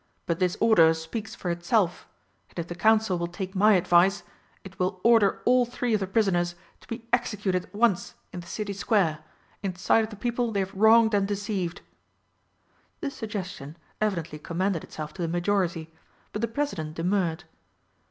"But this order speaks for itself, and if the Council will take my advice it will order all three of the prisoners to be executed at once in the City Square, in sight of the people they have wronged and deceived." This suggestion evidently commended itself to the majority, but the President demurred.